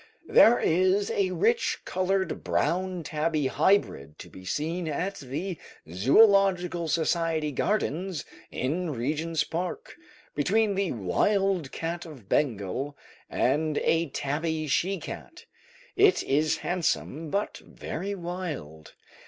There is a rich coloured brown tabby hybrid to be seen at the Zoological Society Gardens in Regent's Park, between the wild cat of Bengal and a tabby she cat. It is handsome, but very wild.